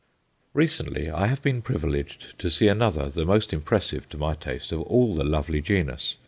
Recently I have been privileged to see another, the most impressive to my taste, of all the lovely genus.